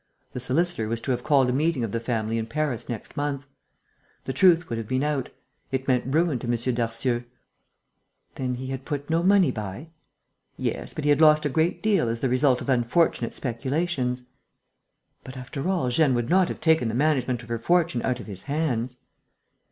The solicitor was to have called a meeting of the family in Paris next month. The truth would have been out. It meant ruin to M. Darcieux." "Then he had put no money by?" "Yes, but he had lost a great deal as the result of unfortunate speculations." "But, after all, Jeanne would not have taken the management of her fortune out of his hands!"